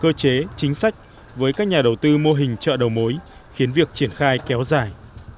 cơ chế chính sách với các nhà đầu tư mô hình chợ đầu mối khiến việc triển khai kéo dài